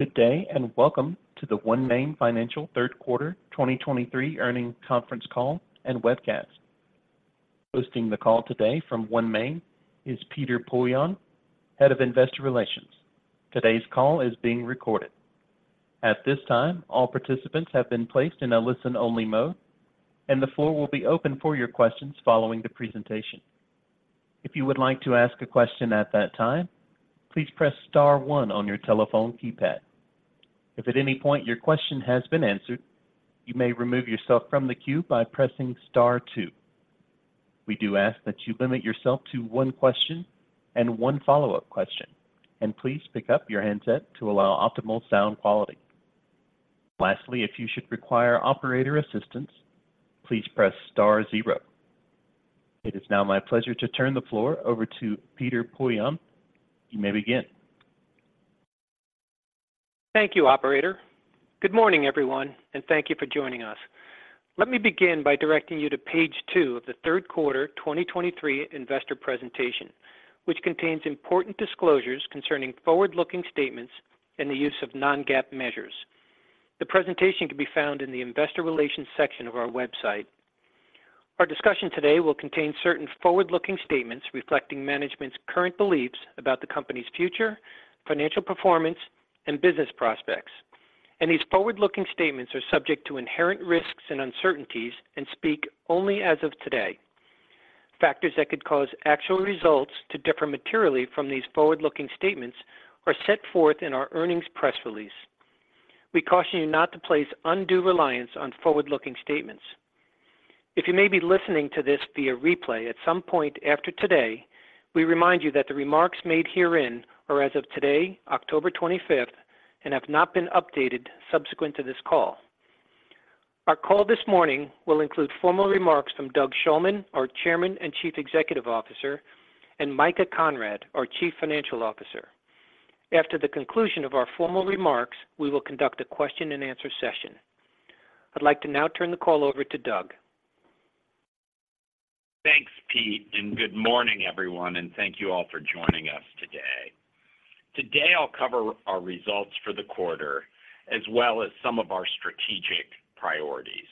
Good day, and welcome to the OneMain Financial third quarter 2023 earnings conference call and webcast. Hosting the call today from OneMain is Peter Poillon, Head of Investor Relations. Today's call is being recorded. At this time, all participants have been placed in a listen-only mode, and the floor will be open for your questions following the presentation. If you would like to ask a question at that time, please press star one on your telephone keypad. If at any point your question has been answered, you may remove yourself from the queue by pressing star two. We do ask that you limit yourself to one question and one follow-up question, and please pick up your handset to allow optimal sound quality. Lastly, if you should require operator assistance, please press star zero. It is now my pleasure to turn the floor over to Peter Poillon. You may begin. Thank you, operator. Good morning, everyone, and thank you for joining us. Let me begin by directing you to page two of the third quarter 2023 investor presentation, which contains important disclosures concerning forward-looking statements and the use of non-GAAP measures. The presentation can be found in the Investor Relations section of our website. Our discussion today will contain certain forward-looking statements reflecting management's current beliefs about the company's future, financial performance, and business prospects. These forward-looking statements are subject to inherent risks and uncertainties and speak only as of today. Factors that could cause actual results to differ materially from these forward-looking statements are set forth in our earnings press release. We caution you not to place undue reliance on forward-looking statements. If you may be listening to this via replay at some point after today, we remind you that the remarks made herein are as of today, October 25th, and have not been updated subsequent to this call. Our call this morning will include formal remarks from Doug Shulman, our Chairman and Chief Executive Officer, and Micah Conrad, our Chief Financial Officer. After the conclusion of our formal remarks, we will conduct a question-and-answer session. I'd like to now turn the call over to Doug. Thanks, Pete, and good morning, everyone, and thank you all for joining us today. Today, I'll cover our results for the quarter as well as some of our strategic priorities.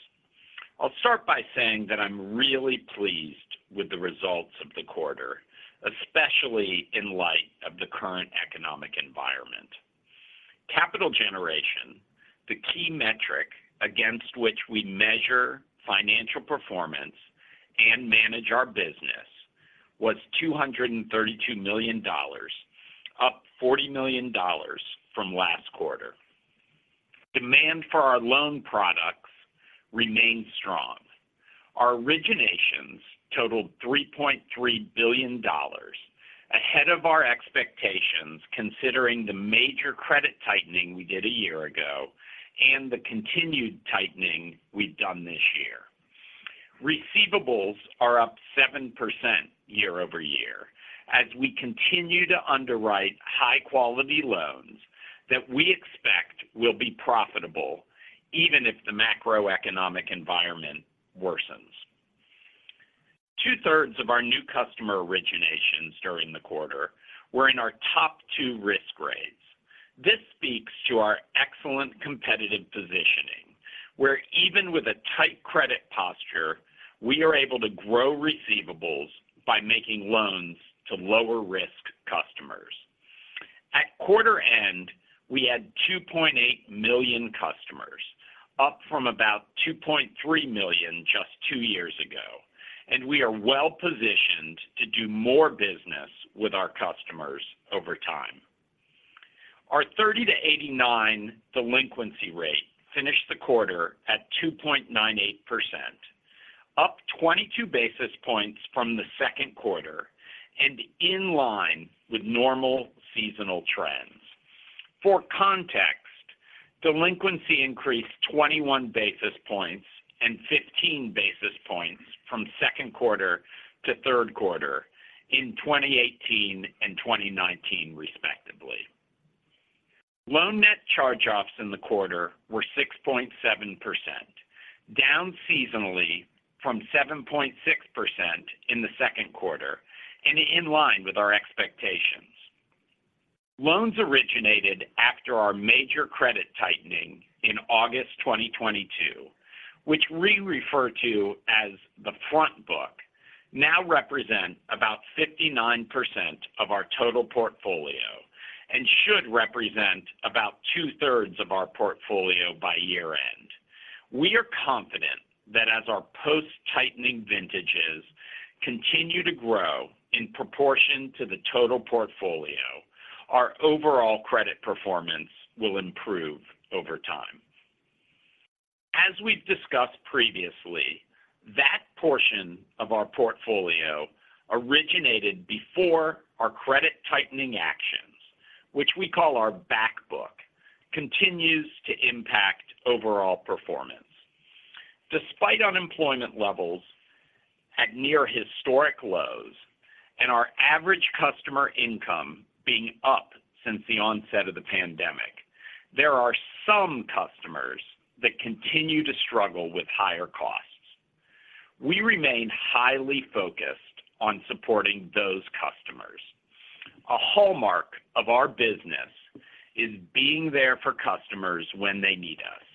I'll start by saying that I'm really pleased with the results of the quarter, especially in light of the current economic environment. Capital generation, the key metric against which we measure financial performance and manage our business, was $232 million, up $40 million from last quarter. Demand for our loan products remained strong. Our originations totaled $3.3 billion, ahead of our expectations, considering the major credit tightening we did a year ago and the continued tightening we've done this year. Receivables are up 7% year-over-year as we continue to underwrite high-quality loans that we expect will be profitable even if the macroeconomic environment worsens. Two-thirds of our new customer originations during the quarter were in our top two risk grades. This speaks to our excellent competitive positioning, where even with a tight credit posture, we are able to grow receivables by making loans to lower-risk customers. At quarter end, we had 2.8 million customers, up from about 2.3 million just two years ago, and we are well positioned to do more business with our customers over time. Our 30 delinquency rate-89 delinquency rate finished the quarter at 2.98%, up 22 basis points from the second quarter and in line with normal seasonal trends. For context, delinquency increased 21 basis points and 15 basis points from second quarter to third quarter in 2018 and 2019, respectively. Loan net charge-offs in the quarter were 6.7%, down seasonally from 7.6% in the second quarter and in line with our expectations. Loans originated after our major credit tightening in August 2022, which we refer to as the front book, now represent about 59% of our total portfolio and should represent about two-thirds of our portfolio by year-end. We are confident that as our post-tightening vintages continue to grow in proportion to the total portfolio, our overall credit performance will improve over time. As we've discussed previously, that portion of our portfolio originated before our credit tightening actions, which we call our back book, continues to impact overall performance. Despite unemployment levels at near historic lows and our average customer income being up since the onset of the pandemic, there are some customers that continue to struggle with higher costs. We remain highly focused on supporting those customers. A hallmark of our business is being there for customers when they need us,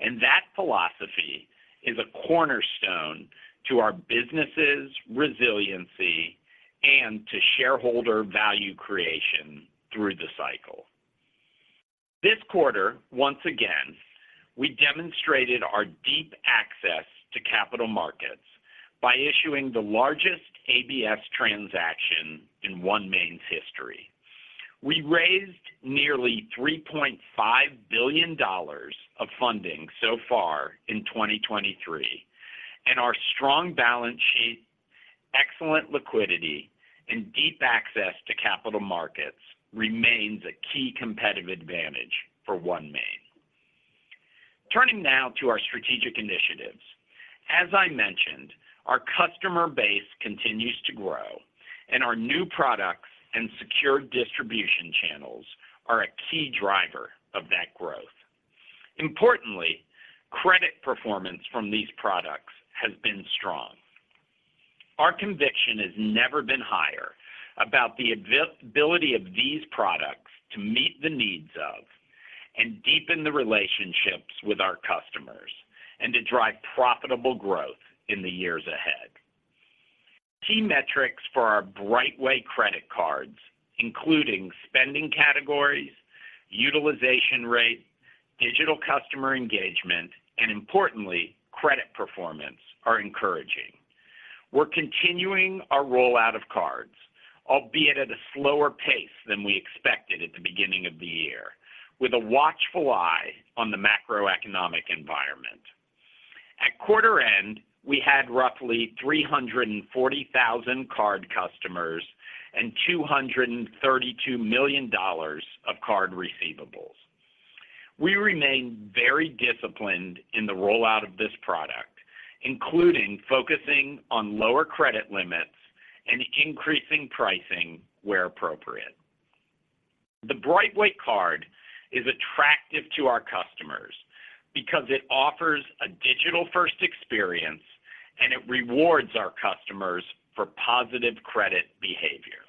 and that philosophy is a cornerstone to our business's resiliency and to shareholder value creation through the cycle. This quarter, once again, we demonstrated our deep access to capital markets by issuing the largest ABS transaction in OneMain's history. We raised nearly $3.5 billion of funding so far in 2023, and our strong balance sheet, excellent liquidity, and deep access to capital markets remains a key competitive advantage for OneMain. Turning now to our strategic initiatives. As I mentioned, our customer base continues to grow, and our new products and secure distribution channels are a key driver of that growth. Importantly, credit performance from these products has been strong. Our conviction has never been higher about the ability of these products to meet the needs of and deepen the relationships with our customers and to drive profitable growth in the years ahead. Key metrics for our BrightWay credit cards, including spending categories, utilization rate, digital customer engagement, and importantly, credit performance, are encouraging. We're continuing our rollout of cards, albeit at a slower pace than we expected at the beginning of the year, with a watchful eye on the macroeconomic environment. At quarter end, we had roughly 340,000 card customers and $232 million of card receivables. We remain very disciplined in the rollout of this product, including focusing on lower credit limits and increasing pricing where appropriate. The BrightWay card is attractive to our customers because it offers a digital-first experience, and it rewards our customers for positive credit behavior.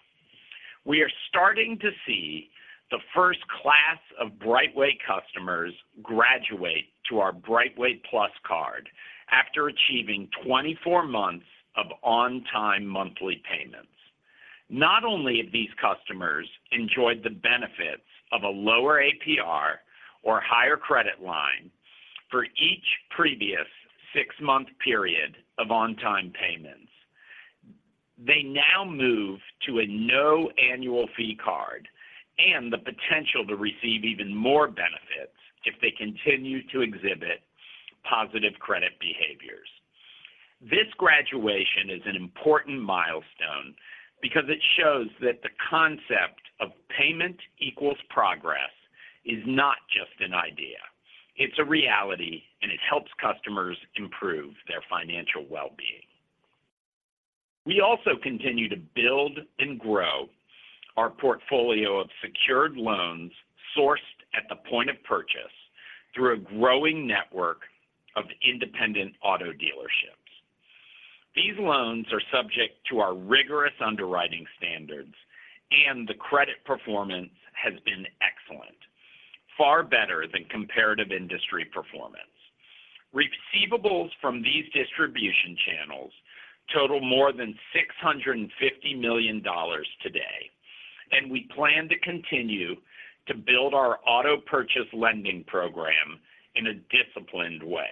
We are starting to see the first class of BrightWay customers graduate to our BrightWay Plus card after achieving 24 months of on-time monthly payments. Not only have these customers enjoyed the benefits of a lower APR or higher credit line for each previous six-month period of on-time payments, they now move to a no annual fee card and the potential to receive even more benefits if they continue to exhibit positive credit behaviors. This graduation is an important milestone because it shows that the concept of payment equals progress is not just an idea, it's a reality, and it helps customers improve their financial well-being. We also continue to build and grow our portfolio of secured loans sourced at the point of purchase through a growing network of independent auto dealerships. These loans are subject to our rigorous underwriting standards, and the credit performance has been excellent, far better than comparative industry performance. Receivables from these distribution channels total more than $650 million today, and we plan to continue to build our auto purchase lending program in a disciplined way.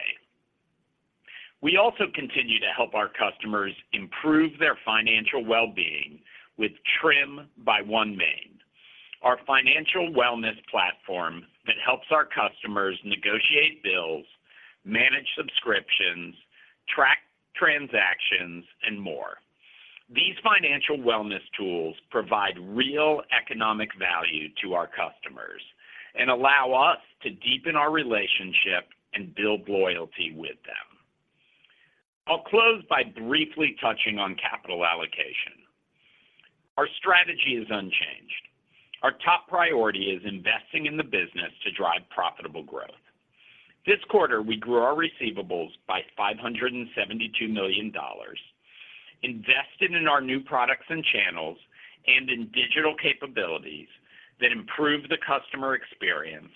We also continue to help our customers improve their financial well-being with Trim by OneMain, our financial wellness platform that helps our customers negotiate bills, manage subscriptions, track transactions, and more. These financial wellness tools provide real economic value to our customers and allow us to deepen our relationship and build loyalty with them. I'll close by briefly touching on capital allocation. Our strategy is unchanged. Our top priority is investing in the business to drive profitable growth. This quarter, we grew our receivables by $572 million, invested in our new products and channels, and in digital capabilities that improve the customer experience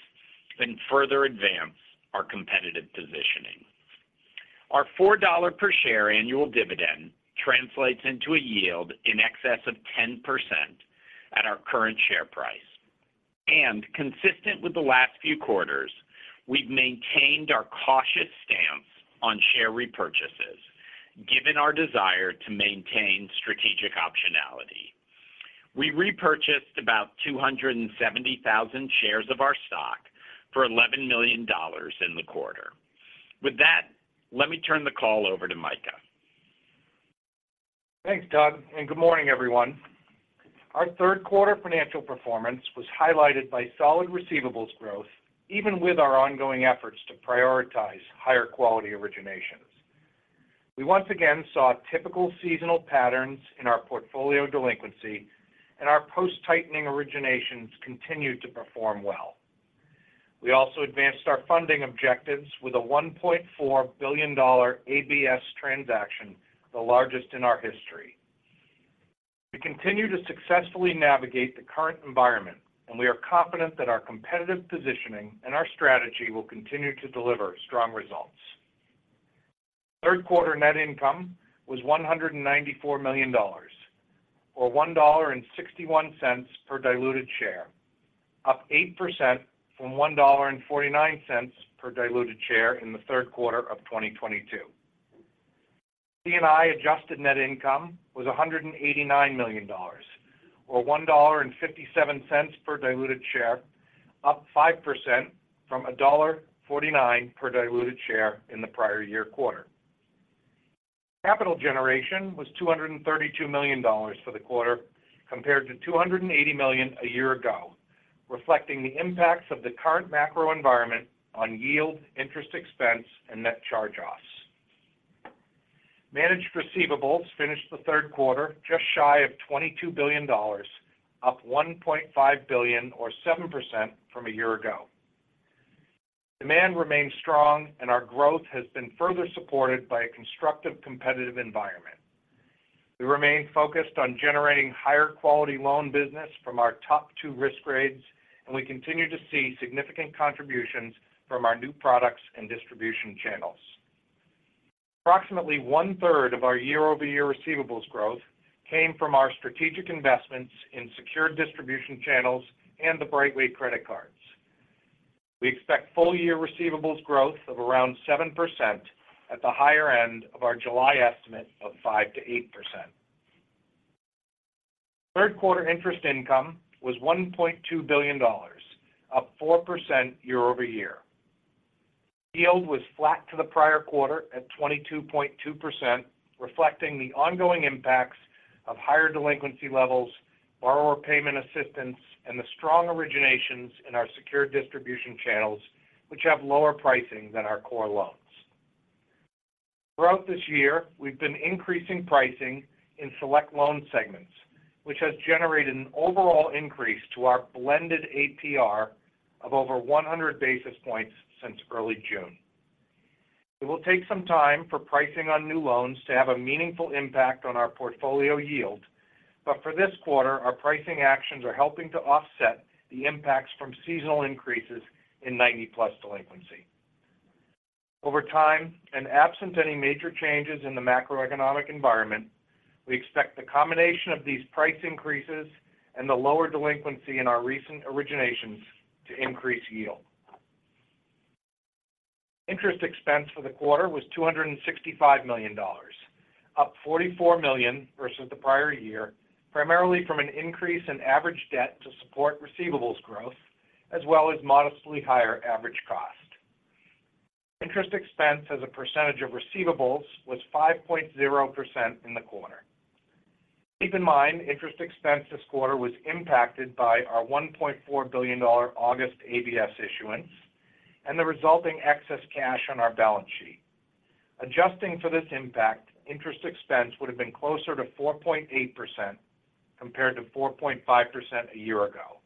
and further advance our competitive positioning. Our $4 per share annual dividend translates into a yield in excess of 10% at our current share price, and consistent with the last few quarters, we've maintained our cautious stance on share repurchases, given our desire to maintain strategic optionality. We repurchased about 270,000 shares of our stock for $11 million in the quarter. With that, let me turn the call over to Micah. Thanks, Doug, and good morning, everyone. Our third quarter financial performance was highlighted by solid receivables growth, even with our ongoing efforts to prioritize higher quality originations. We once again saw typical seasonal patterns in our portfolio delinquency, and our post-tightening originations continued to perform well. We also advanced our funding objectives with a $1.4 billion ABS transaction, the largest in our history. We continue to successfully navigate the current environment, and we are confident that our competitive positioning and our strategy will continue to deliver strong results. Third quarter net income was $194 million, or $1.61 per diluted share, up 8% from $1.49 per diluted share in the third quarter of 2022. C&I adjusted net income was $189 million, or $1.57 per diluted share, up 5% from $1.49 per diluted share in the prior year quarter. Capital generation was $232 million for the quarter, compared to $280 million a year ago, reflecting the impacts of the current macro environment on yield, interest expense, and net charge-offs. Managed receivables finished the third quarter just shy of $22 billion, up $1.5 billion, or 7% from a year ago. Demand remains strong, and our growth has been further supported by a constructive, competitive environment. We remain focused on generating higher quality loan business from our top two risk grades, and we continue to see significant contributions from our new products and distribution channels. Approximately one-third of our year-over-year receivables growth came from our strategic investments in secured distribution channels and the BrightWay credit cards. We expect full-year receivables growth of around 7% at the higher end of our July estimate of 5%-8%. Third quarter interest income was $1.2 billion, up 4% year-over-year. Yield was flat to the prior quarter at 22.2%, reflecting the ongoing impacts of higher delinquency levels, borrower payment assistance, and the strong originations in our secure distribution channels, which have lower pricing than our core loans. Throughout this year, we've been increasing pricing in select loan segments, which has generated an overall increase to our blended APR of over 100 basis points since early June. It will take some time for pricing on new loans to have a meaningful impact on our portfolio yield. But for this quarter, our pricing actions are helping to offset the impacts from seasonal increases in 90+ delinquency. Over time, and absent any major changes in the macroeconomic environment, we expect the combination of these price increases and the lower delinquency in our recent originations to increase yield. Interest expense for the quarter was $265 million, up $44 million versus the prior year, primarily from an increase in average debt to support receivables growth, as well as modestly higher average cost. Interest expense as a percentage of receivables was 5.0% in the quarter. Keep in mind, interest expense this quarter was impacted by our $1.4 billion August ABS issuance and the resulting excess cash on our balance sheet. Adjusting for this impact, interest expense would have been closer to 4.8%, compared to 4.5% a year ago.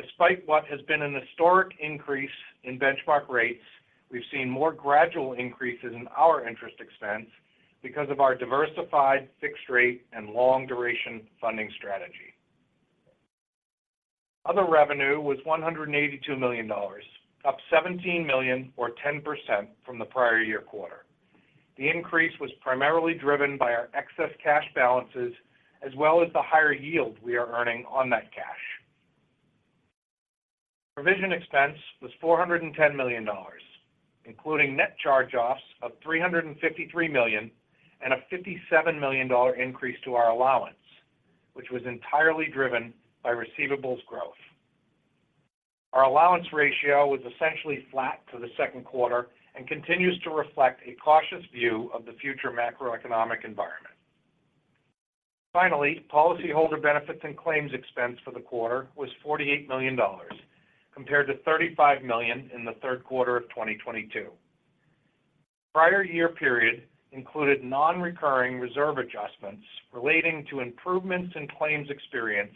Despite what has been an historic increase in benchmark rates, we've seen more gradual increases in our interest expense because of our diversified, fixed-rate, and long-duration funding strategy. Other revenue was $182 million, up $17 million, or 10% from the prior year quarter. The increase was primarily driven by our excess cash balances, as well as the higher yield we are earning on that cash. Provision expense was $410 million, including net charge-offs of $353 million and a $57 million increase to our allowance, which was entirely driven by receivables growth. Our allowance ratio was essentially flat to the second quarter and continues to reflect a cautious view of the future macroeconomic environment. Finally, policyholder benefits and claims expense for the quarter was $48 million, compared to $35 million in the third quarter of 2022. The prior year period included non-recurring reserve adjustments relating to improvements in claims experience,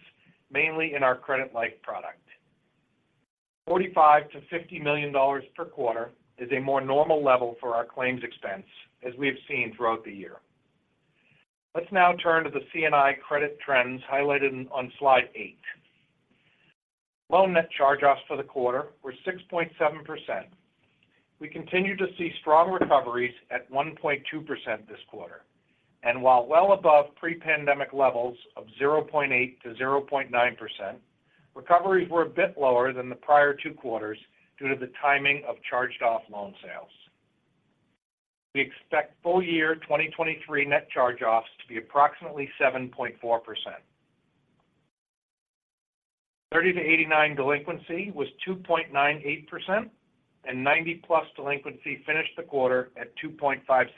mainly in our credit life product. $45 million-$50 million per quarter is a more normal level for our claims expense, as we have seen throughout the year. Let's now turn to the C&I credit trends highlighted on slide eight. Loan net charge-offs for the quarter were 6.7%. We continue to see strong recoveries at 1.2% this quarter, and while well above pre-pandemic levels of 0.8%-0.9%, recoveries were a bit lower than the prior two quarters due to the timing of charged-off loan sales. We expect full year 2023 net charge-offs to be approximately 7.4%. 30-89 delinquency was 2.98%, and 90+ delinquency finished the quarter at 2.57%.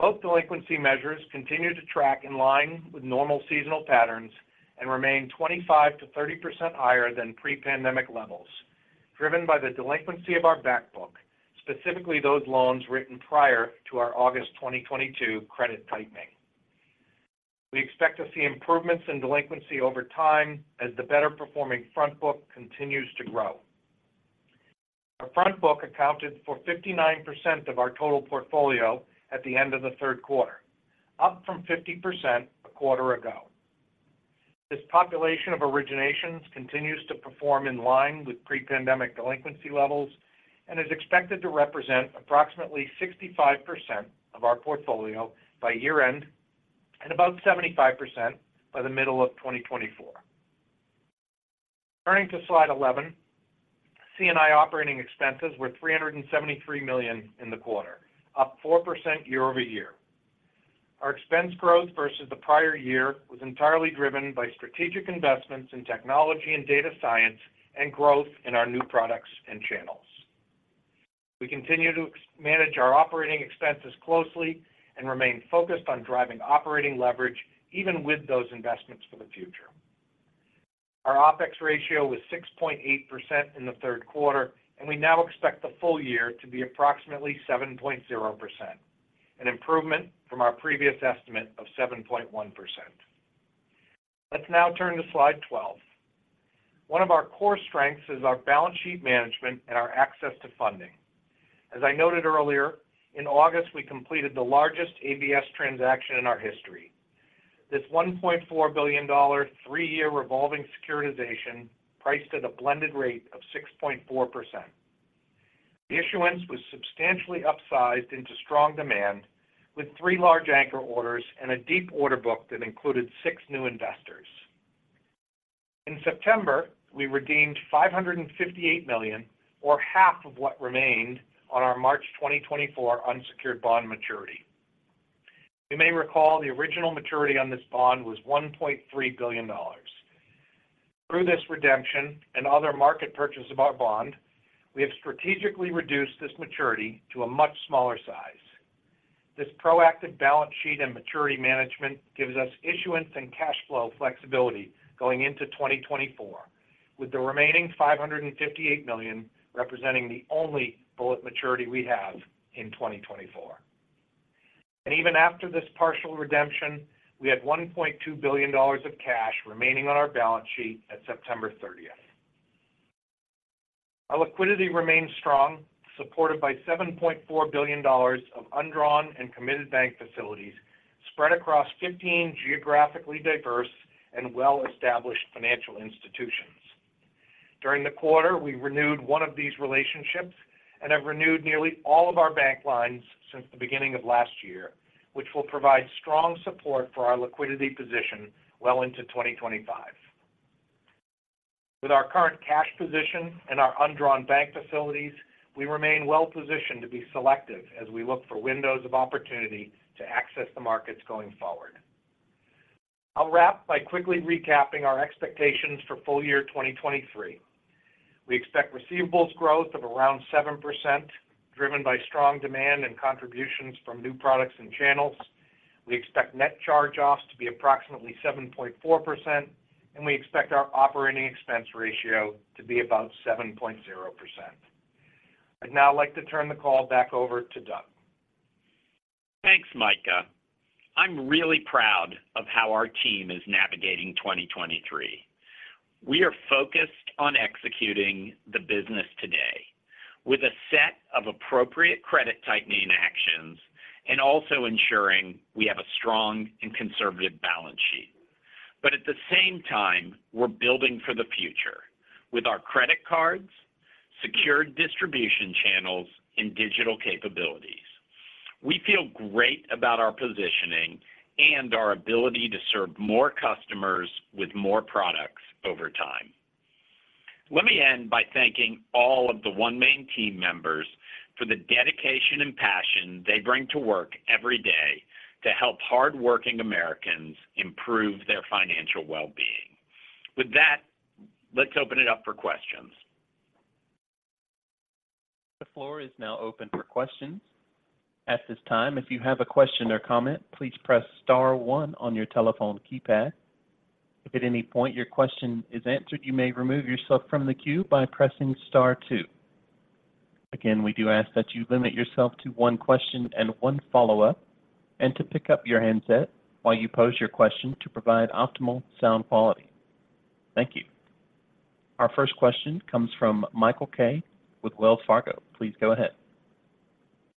Both delinquency measures continue to track in line with normal seasonal patterns and remain 25%-30% higher than pre-pandemic levels, driven by the delinquency of our back book, specifically those loans written prior to our August 2022 credit tightening. We expect to see improvements in delinquency over time as the better-performing front book continues to grow. Our front book accounted for 59% of our total portfolio at the end of the third quarter, up from 50% a quarter ago. This population of originations continues to perform in line with pre-pandemic delinquency levels and is expected to represent approximately 65% of our portfolio by year-end and about 75% by the middle of 2024. Turning to slide 11, C&I operating expenses were $373 million in the quarter, up 4% year-over-year. Our expense growth versus the prior year was entirely driven by strategic investments in technology and data science and growth in our new products and channels. We continue to manage our operating expenses closely and remain focused on driving operating leverage, even with those investments for the future. Our OpEx ratio was 6.8% in the third quarter, and we now expect the full year to be approximately 7.0%, an improvement from our previous estimate of 7.1%. Let's now turn to slide 12. One of our core strengths is our balance sheet management and our access to funding. As I noted earlier, in August, we completed the largest ABS transaction in our history. This $1.4 billion three-year revolving securitization priced at a blended rate of 6.4%. The issuance was substantially upsized into strong demand, with three large anchor orders and a deep order book that included six new investors. In September, we redeemed $558 million, or half of what remained on our March 2024 unsecured bond maturity. You may recall the original maturity on this bond was $1.3 billion. Through this redemption and other market purchase of our bond, we have strategically reduced this maturity to a much smaller size. This proactive balance sheet and maturity management gives us issuance and cash flow flexibility going into 2024, with the remaining $558 million representing the only bullet maturity we have in 2024. Even after this partial redemption, we had $1.2 billion of cash remaining on our balance sheet at September 30th. Our liquidity remains strong, supported by $7.4 billion of undrawn and committed bank facilities spread across 15 geographically diverse and well-established financial institutions. During the quarter, we renewed one of these relationships and have renewed nearly all of our bank lines since the beginning of last year, which will provide strong support for our liquidity position well into 2025. With our current cash position and our undrawn bank facilities, we remain well positioned to be selective as we look for windows of opportunity to access the markets going forward. I'll wrap by quickly recapping our expectations for full year 2023. We expect receivables growth of around 7%, driven by strong demand and contributions from new products and channels. We expect net charge-offs to be approximately 7.4%, and we expect our operating expense ratio to be about 7.0%. I'd now like to turn the call back over to Doug. Thanks, Micah. I'm really proud of how our team is navigating 2023. We are focused on executing the business today with a set of appropriate credit tightening actions and also ensuring we have a strong and conservative balance sheet. But at the same time, we're building for the future with our credit cards, secured distribution channels, and digital capabilities. We feel great about our positioning and our ability to serve more customers with more products over time. Let me end by thanking all of the OneMain team members for the dedication and passion they bring to work every day to help hardworking Americans improve their financial well-being. With that, let's open it up for questions. The floor is now open for questions. At this time, if you have a question or comment, please press star one on your telephone keypad. If at any point your question is answered, you may remove yourself from the queue by pressing star two. Again, we do ask that you limit yourself to one question and one follow-up, and to pick up your handset while you pose your question to provide optimal sound quality. Thank you. Our first question comes from Michael Kaye with Wells Fargo. Please go ahead.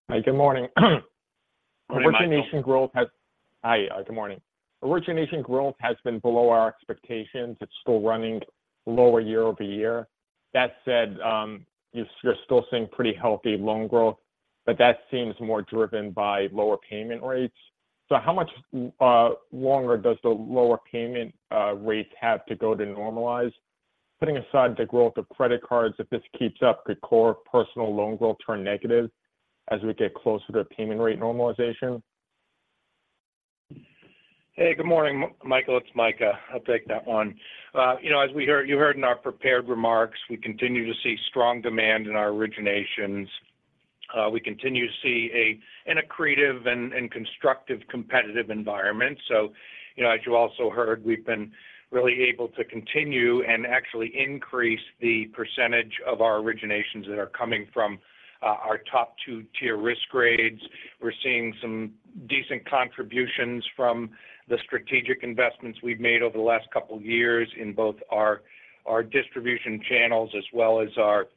Hi, good morning. Good morning, Michael. Hi, good morning. Origination growth has been below our expectations. It's still running lower year-over-year. That said, you're still seeing pretty healthy loan growth, but that seems more driven by lower payment rates. So how much longer does the lower payment rates have to go to normalize? Putting aside the growth of credit cards, if this keeps up, could core personal loan growth turn negative as we get closer to payment rate normalization? Hey, good morning, Michael. It's Micah. I'll take that one. You know, as we heard—you heard in our prepared remarks, we continue to see strong demand in our originations. We continue to see an accretive and constructive competitive environment. So, you know, as you also heard, we've been really able to continue and actually increase the percentage of our originations that are coming from our top two tier risk grades. We're seeing some decent contributions from the strategic investments we've made over the last couple of years in both our distribution channels as well as our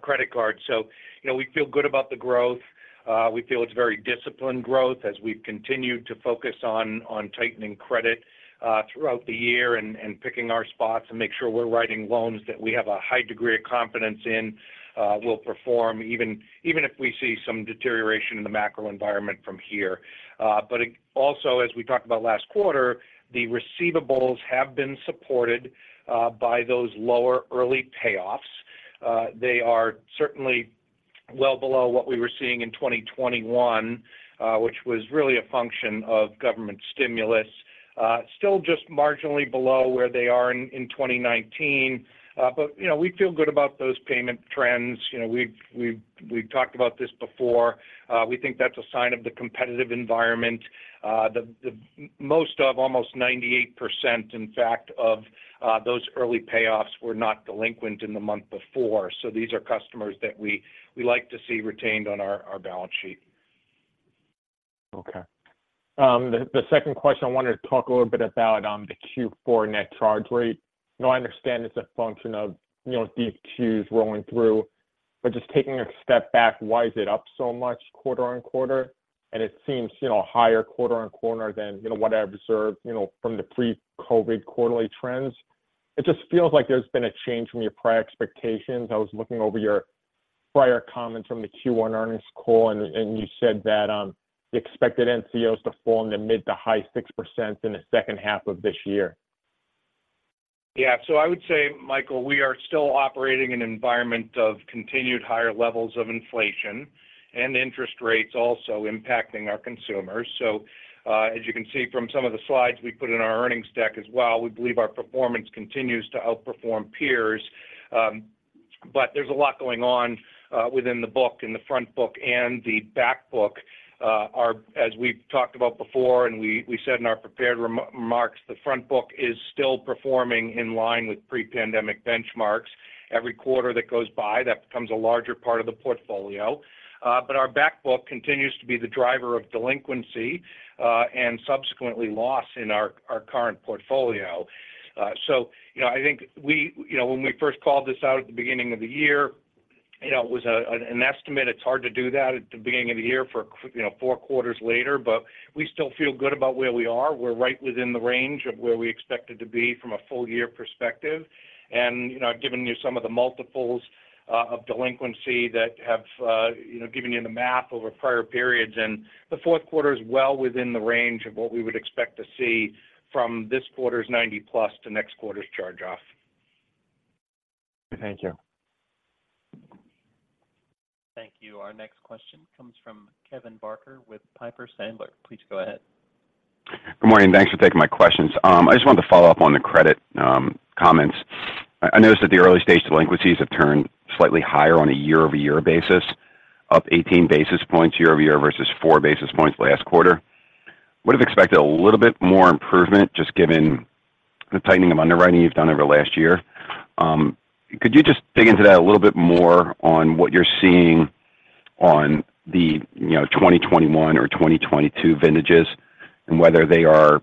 credit card. So, you know, we feel good about the growth. We feel it's very disciplined growth as we've continued to focus on tightening credit throughout the year and picking our spots and make sure we're writing loans that we have a high degree of confidence in will perform, even if we see some deterioration in the macro environment from here. But it also, as we talked about last quarter, the receivables have been supported by those lower early payoffs. They are certainly well below what we were seeing in 2021, which was really a function of government stimulus. Still just marginally below where they are in 2019. But, you know, we feel good about those payment trends. You know, we've talked about this before. We think that's a sign of the competitive environment. Most of almost 98%, in fact, of those early payoffs were not delinquent in the month before. So these are customers that we like to see retained on our balance sheet. Okay. The second question, I wanted to talk a little bit about the Q4 net charge-off rate. You know, I understand it's a function of, you know, these Qs rolling through, but just taking a step back, why is it up so much quarter-on-quarter? And it seems, you know, higher quarter-on-quarter than, you know, what I observed, you know, from the pre-COVID quarterly trends. It just feels like there's been a change from your prior expectations. I was looking over your prior comments from the Q1 earnings call, and you said that you expected NCOs to fall in the mid- to high-6% in the second half of this year. Yeah. So I would say, Michael, we are still operating in an environment of continued higher levels of inflation and interest rates also impacting our consumers. So, as you can see from some of the slides we put in our earnings deck as well, we believe our performance continues to outperform peers. But there's a lot going on within the book, in the front book and the back book. As we've talked about before and we said in our prepared remarks, the front book is still performing in line with pre-pandemic benchmarks. Every quarter that goes by, that becomes a larger part of the portfolio. But our back book continues to be the driver of delinquency and subsequently loss in our current portfolio. So, you know, I think we—you know, when we first called this out at the beginning of the year, you know, it was an estimate. It's hard to do that at the beginning of the year for, you know, four quarters later, but we still feel good about where we are. We're right within the range of where we expected to be from a full year perspective. And, you know, I've given you some of the multiples of delinquency that have, you know, given you the math over prior periods, and the fourth quarter is well within the range of what we would expect to see from this quarter's 90+ to next quarter's charge-off. Thank you. Thank you. Our next question comes from Kevin Barker with Piper Sandler. Please go ahead. Good morning, thanks for taking my questions. I just wanted to follow up on the credit, comments. I noticed that the early stage delinquencies have turned slightly higher on a year-over-year basis, up 18 basis points year over year versus 4 basis points last quarter. Would have expected a little bit more improvement, just given the tightening of underwriting you've done over the last year. Could you just dig into that a little bit more on what you're seeing on the, you know, 2021 or 2022 vintages, and whether they are,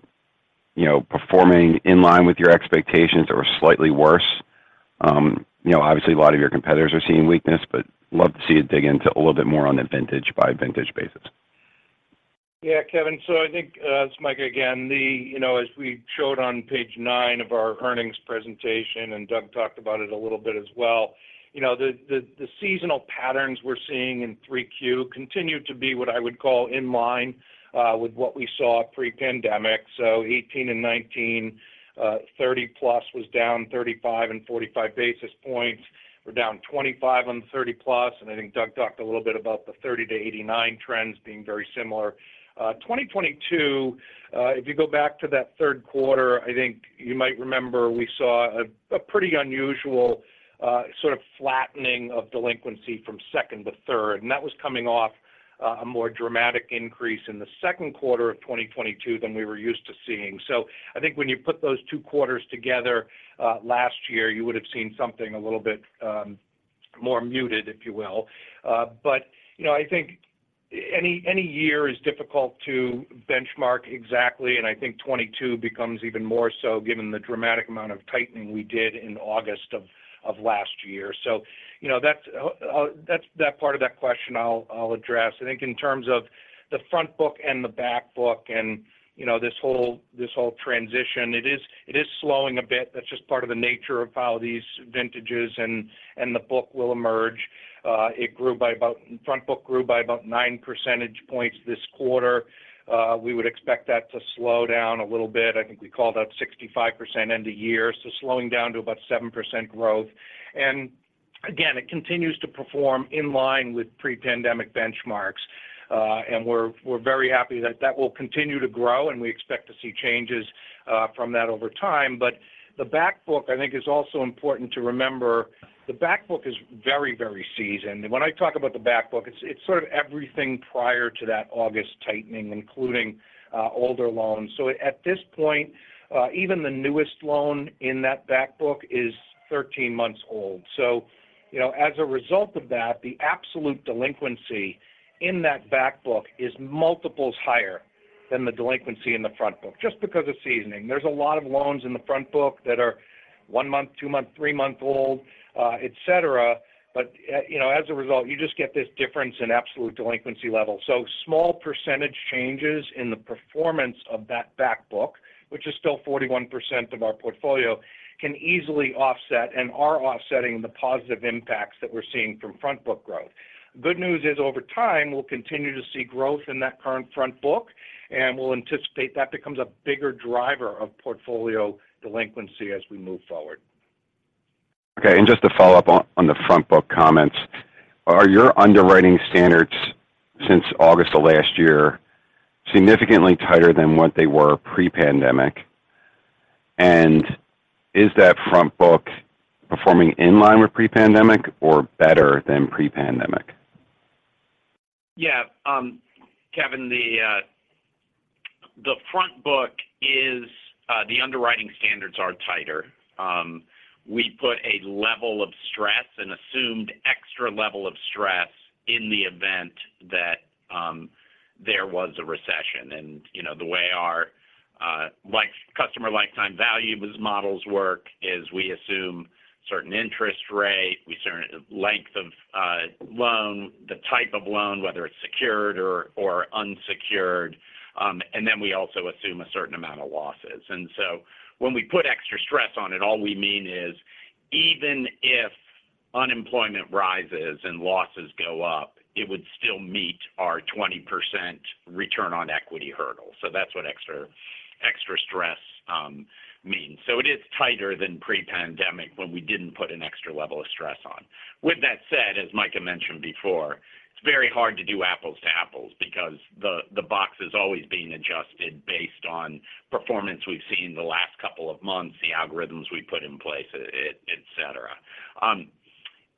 you know, performing in line with your expectations or slightly worse? You know, obviously, a lot of your competitors are seeing weakness, but love to see you dig into a little bit more on a vintage-by-vintage basis. Yeah, Kevin. So I think, it's Micah again. You know, as we showed on page nine of our earnings presentation, and Doug talked about it a little bit as well, you know, the seasonal patterns we're seeing in 3Q continue to be what I would call in line with what we saw pre-pandemic. So 2018 and 2019, 30+ was down 35 and 45 basis points. We're down 25 on the 30+, and I think Doug talked a little bit about the 30-89 trends being very similar. 2022, if you go back to that third quarter, I think you might remember we saw a, a pretty unusual, sort of flattening of delinquency from second to third, and that was coming off, a more dramatic increase in the second quarter of 2022 than we were used to seeing. So I think when you put those two quarters together, last year, you would have seen something a little bit, more muted, if you will. But, you know, I think any, any year is difficult to benchmark exactly, and I think 2022 becomes even more so given the dramatic amount of tightening we did in August of last year. So, you know, that's that part of that question I'll address. I think in terms of the front book and the back book and, you know, this whole transition, it is slowing a bit. That's just part of the nature of how these vintages and the book will emerge. It grew by about front book grew by about 9 percentage points this quarter. We would expect that to slow down a little bit. I think we called out 65% end of year, so slowing down to about 7% growth. And again, it continues to perform in line with pre-pandemic benchmarks. And we're very happy that that will continue to grow, and we expect to see changes from that over time. But the back book, I think, is also important to remember. The back book is very, very seasoned. When I talk about the back book, it's sort of everything prior to that August tightening, including older loans. So at this point, even the newest loan in that back book is 13 months old. So, you know, as a result of that, the absolute delinquency in that back book is multiples higher than the delinquency in the front book, just because of seasoning. There's a lot of loans in the front book that are one-month, two-month, three-month-old, et cetera. But, you know, as a result, you just get this difference in absolute delinquency level. So small percentage changes in the performance of that back book, which is still 41% of our portfolio, can easily offset and are offsetting the positive impacts that we're seeing from front-book growth. Good news is, over time, we'll continue to see growth in that current front book, and we'll anticipate that becomes a bigger driver of portfolio delinquency as we move forward. Okay. And just to follow up on the front-book comments, are your underwriting standards since August of last year significantly tighter than what they were pre-pandemic? And is that front book performing in line with pre-pandemic or better than pre-pandemic? Yeah. Kevin, the front book is the underwriting standards are tighter. We put a level of stress, an assumed extra level of stress in the event that there was a recession. And, you know, the way our customer lifetime value models work is we assume certain interest rate, certain length of loan, the type of loan, whether it's secured or unsecured, and then we also assume a certain amount of losses. And so when we put extra stress on it, all we mean is even if unemployment rises and losses go up, it would still meet our 20% return on equity hurdle. So that's what extra stress means. So it is tighter than pre-pandemic when we didn't put an extra level of stress on. With that said, as Micah mentioned before, it's very hard to do apples to apples because the box is always being adjusted based on performance we've seen in the last couple of months, the algorithms we've put in place, et cetera.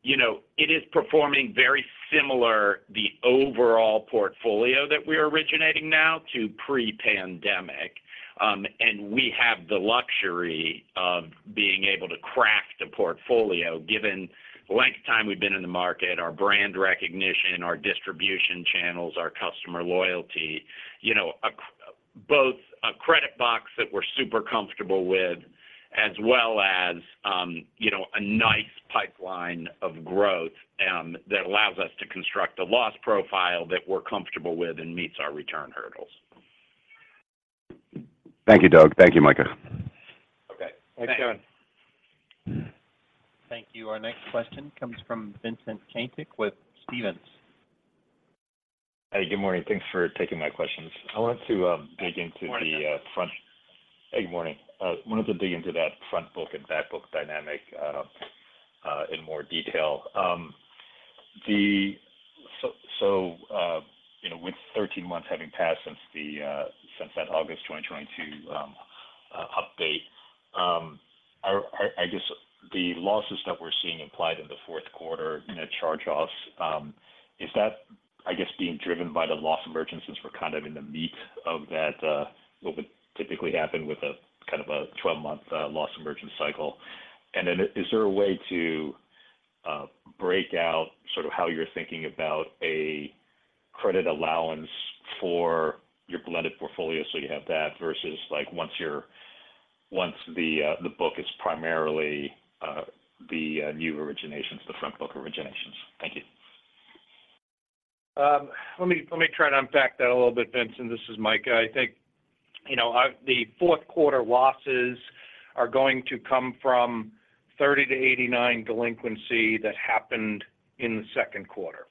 You know, it is performing very similar, the overall portfolio that we're originating now, to pre-pandemic. And we have the luxury of being able to craft the portfolio, given the length of time we've been in the market, our brand recognition, our distribution channels, our customer loyalty. You know, both a credit box that we're super comfortable with, as well as, you know, a nice pipeline of growth, that allows us to construct a loss profile that we're comfortable with and meets our return hurdles. Thank you, Doug. Thank you, Micah. Okay. Thanks, Kevin. Mm-hmm. Thank you. Our next question comes from Vincent Caintic with Stephens. Hey, good morning. Thanks for taking my questions. I wanted to dig into- Good morning the front. Hey, good morning. I wanted to dig into that front book and back book dynamic in more detail. So you know, with 13 months having passed since that August 2022 update, are—I guess the losses that we're seeing implied in the fourth quarter in the charge-offs, is that, I guess, being driven by the loss emergence, since we're kind of in the meat of that, what would typically happen with a kind of a 12-month loss emergence cycle? And then is there a way to break out sort of how you're thinking about a credit allowance for your blended portfolio? So you have that versus, like, once the book is primarily the new originations, the front book originations. Thank you. Let me try to unpack that a little bit, Vincent. This is Micah. I think, you know, I. The fourth quarter losses are going to come from 30-89 delinquency that happened in the second quarter.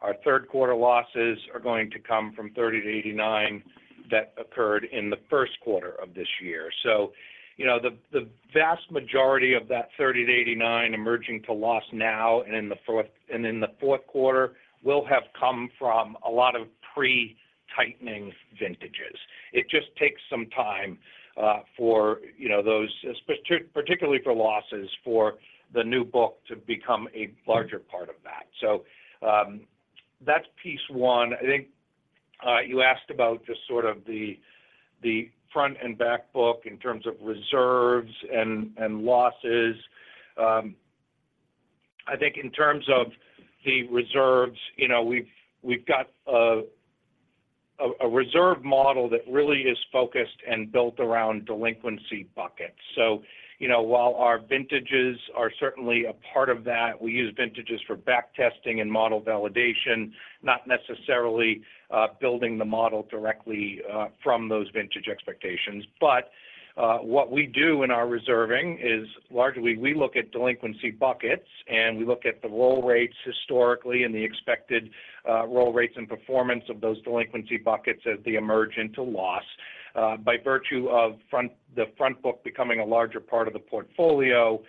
Our third quarter losses are going to come from 30-89 that occurred in the first quarter of this year. So, you know, the vast majority of that 30-89 emerging to loss now and in the fourth quarter will have come from a lot of pre-tightening vintages. It just takes some time for, you know, those, particularly for losses, for the new book to become a larger part of that. So, that's piece one. I think you asked about just sort of the front and back book in terms of reserves and losses. I think in terms of the reserves, you know, we've got a reserve model that really is focused and built around delinquency buckets. So, you know, while our vintages are certainly a part of that, we use vintages for back testing and model validation, not necessarily building the model directly from those vintage expectations. But what we do in our reserving is, largely, we look at delinquency buckets, and we look at the roll rates historically and the expected roll rates and performance of those delinquency buckets as they emerge into loss. By virtue of the front book becoming a larger part of the portfolio,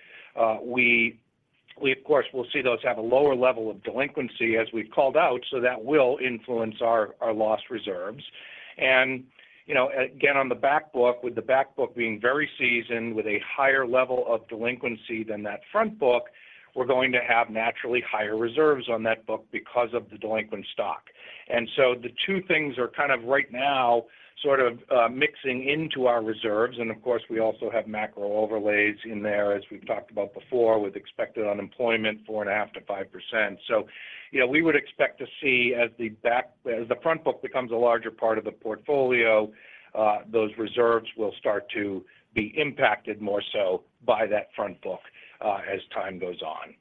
we of course will see those have a lower level of delinquency, as we've called out, so that will influence our loss reserves. You know, again, on the back book, with the back book being very seasoned with a higher level of delinquency than that front book, we're going to have naturally higher reserves on that book because of the delinquent stock. And so the two things are kind of right now, sort of, mixing into our reserves. And of course, we also have macro overlays in there, as we've talked about before, with expected unemployment 4.5%-5%. So, you know, we would expect to see as the front book becomes a larger part of the portfolio, those reserves will start to be impacted more so by that front book, as time goes on.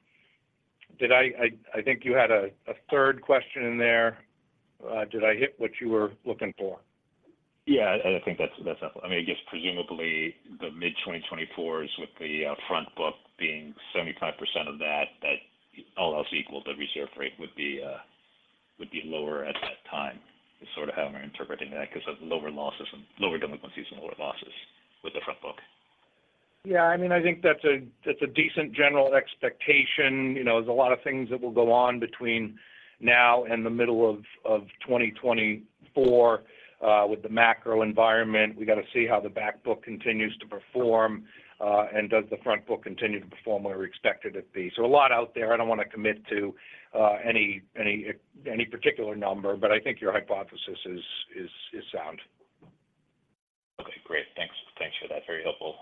Did I think you had a third question in there? Did I hit what you were looking for? Yeah, I think that's helpful. I mean, I guess presumably the mid-2020s with the front book being 75% of that, all else equal, the reserve rate would be lower at that time, is sort of how I'm interpreting that, because of lower losses and lower delinquencies and lower losses with the front book. Yeah, I mean, I think that's a, that's a decent general expectation. You know, there's a lot of things that will go on between now and the middle of 2024 with the macro environment. We've got to see how the back book continues to perform, and does the front book continue to perform where we expect it to be. So a lot out there. I don't want to commit to any, any, any particular number, but I think your hypothesis is, is, is sound. Okay, great. Thanks. Thanks for that. Very helpful.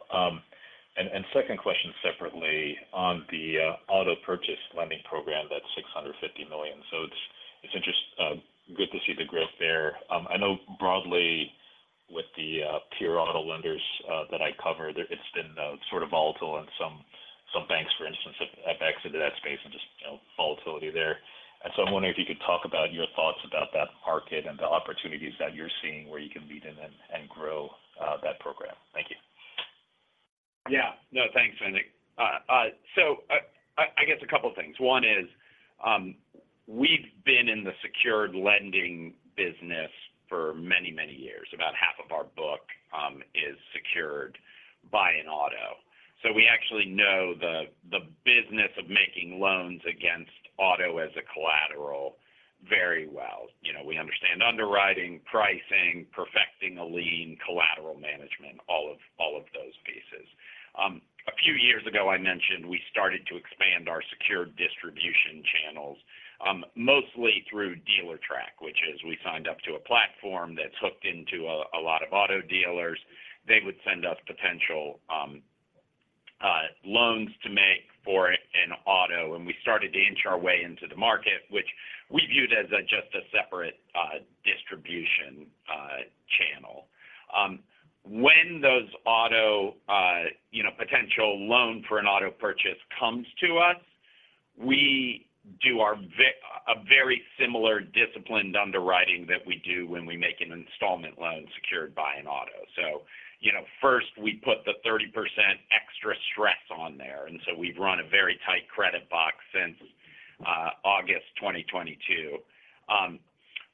And second question separately, on the auto purchase lending program, that's $650 million. So it's interesting—good to see the growth there. I know broadly with the pure auto lenders that I cover, there it's been sort of volatile, and some banks, for instance, have exited that space and just, you know, volatility there. And so I'm wondering if you could talk about your thoughts about that market and the opportunities that you're seeing where you can lead in and grow that program. Thank you. Yeah. No, thanks, Vincent. I guess a couple of things. One is, we've been in the secured lending business for many, many years. About half of our book is secured by an auto. So we actually know the business of making loans against auto as a collateral very well. You know, we understand underwriting, pricing, perfecting a lien, collateral management, all of those pieces. A few years ago, I mentioned we started to expand our secure distribution channels, mostly through Dealertrack. Which is, we signed up to a platform that's hooked into a lot of auto dealers. They would send us potential loans to make for an auto, and we started to inch our way into the market, which we viewed as a just a separate distribution channel. When those auto, you know, potential loan for an auto purchase comes to us, we do a very similar disciplined underwriting that we do when we make an installment loan secured by an auto. So, you know, first, we put the 30% extra stress on there, and so we've run a very tight credit box since August 2022.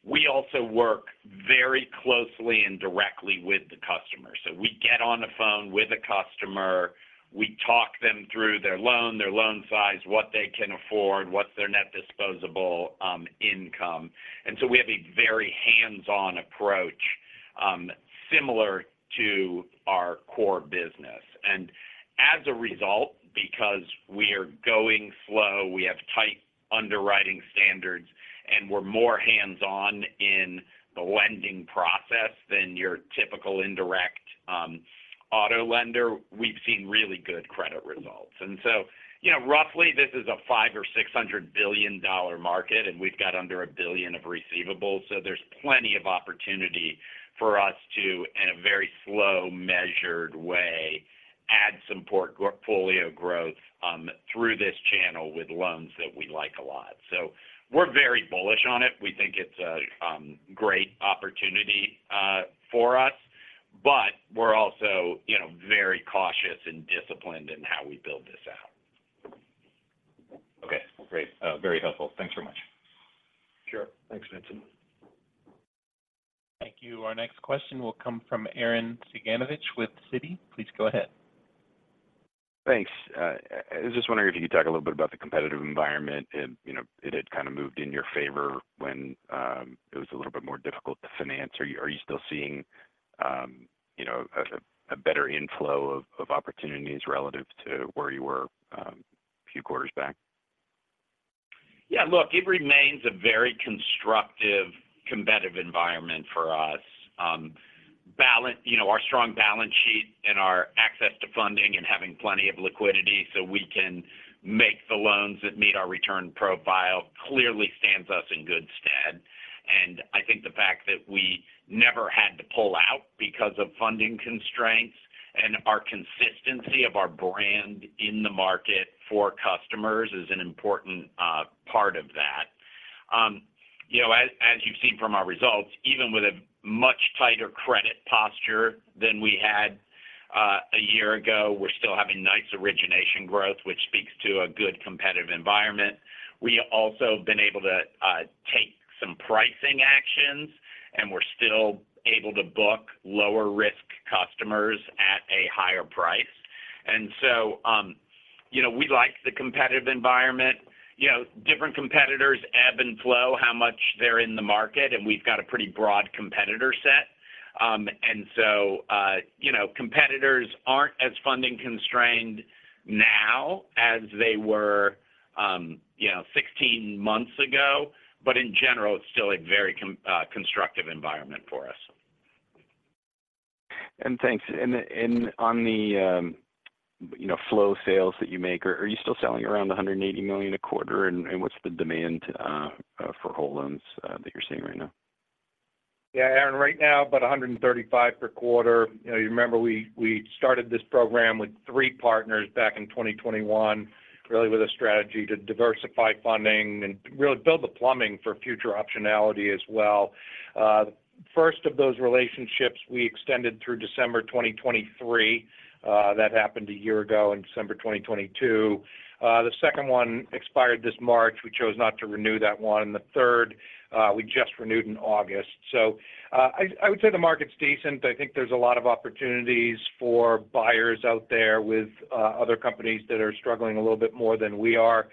We also work very closely and directly with the customer. So we get on the phone with the customer, we talk them through their loan, their loan size, what they can afford, what's their net disposable income. And so we have a very hands-on approach, similar to our core business. As a result, because we are going slow, we have tight underwriting standards, and we're more hands-on in the lending process than your typical indirect auto lender, we've seen really good credit results. So, you know, roughly, this is a $500 billion-$600 billion market, and we've got under $1 billion of receivables, so there's plenty of opportunity for us to, in a very slow, measured way, add some portfolio growth through this channel with loans that we like a lot. So we're very bullish on it. We think it's a great opportunity for us, but we're also, you know, very cautious and disciplined in how we build this out. Okay, great. Very helpful. Thanks so much. Sure. Thanks, Vincent. Thank you. Our next question will come from Arren Cyganovich with Citi. Please go ahead. Thanks. I was just wondering if you could talk a little bit about the competitive environment and, you know, it had kind of moved in your favor when it was a little bit more difficult to finance. Are you, are you still seeing, you know, a, a better inflow of, of opportunities relative to where you were a few quarters back? Yeah, look, it remains a very constructive, competitive environment for us. You know, our strong balance sheet and our access to funding and having plenty of liquidity so we can make the loans that meet our return profile clearly stands us in good stead. And I think the fact that we never had to pull out because of funding constraints and our consistency of our brand in the market for customers is an important part of that. You know, as you've seen from our results, even with a much tighter credit posture than we had a year ago, we're still having nice origination growth, which speaks to a good competitive environment. We also have been able to take some pricing actions, and we're still able to book lower-risk customers at a higher price. And so, you know, we like the competitive environment. You know, different competitors ebb and flow, how much they're in the market, and we've got a pretty broad competitor set. And so, you know, competitors aren't as funding constrained now as they were, you know, 16 months ago. But in general, it's still a very constructive environment for us. And thanks. And on the you know, flow sales that you make, are you still selling around $180 million a quarter? And what's the demand for whole loans that you're seeing right now? Yeah, Arren, right now, about 135 per quarter. You know, you remember we, we started this program with three partners back in 2021, really with a strategy to diversify funding and really build the plumbing for future optionality as well. The first of those relationships we extended through December 2023, that happened a year ago in December 2022. The second one expired this March. We chose not to renew that one, and the third, we just renewed in August. So, I would say the market's decent. I think there's a lot of opportunities for buyers out there with, other companies that are struggling a little bit more than we are.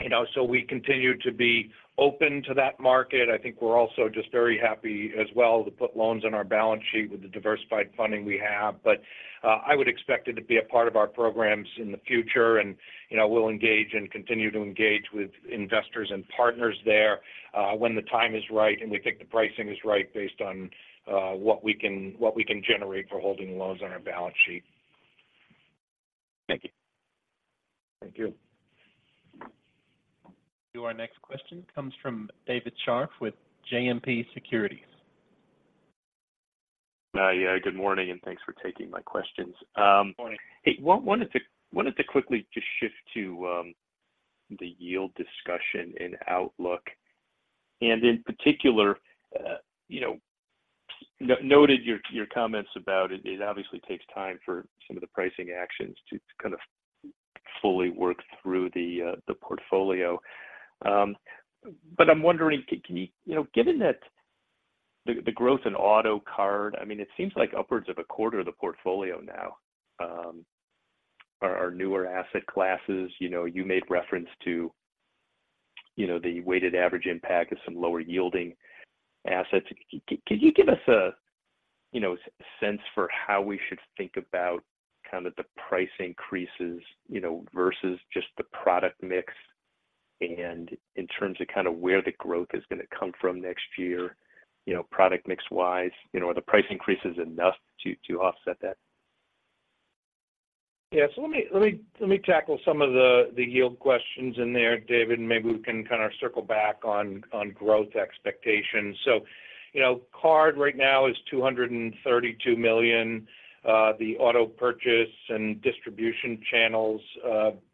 You know, so we continue to be open to that market. I think we're also just very happy as well to put loans on our balance sheet with the diversified funding we have. But, I would expect it to be a part of our programs in the future. And, you know, we'll engage and continue to engage with investors and partners there, when the time is right, and we think the pricing is right, based on what we can generate for holding loans on our balance sheet. Thank you. Thank you. Our next question comes from David Scharf with JMP Securities. Yeah, good morning, and thanks for taking my questions. Good morning. Hey, wanted to quickly just shift to the yield discussion and outlook, and in particular, you know, noted your comments about it. It obviously takes time for some of the pricing actions to kind of fully work through the portfolio. But I'm wondering, can you. You know, given that the growth in auto card, I mean, it seems like upwards of a quarter of the portfolio now, are newer asset classes. You know, you made reference to, you know, the weighted average impact of some lower yielding assets. Can you give us a, you know, sense for how we should think about kind of the price increases, you know, versus just the product mix? In terms of kind of where the growth is going to come from next year, you know, product mix wise, you know, are the price increases enough to offset that? Yeah. So let me tackle some of the yield questions in there, David, and maybe we can kind of circle back on growth expectations. So, you know, card right now is $232 million. The auto purchase and distribution channels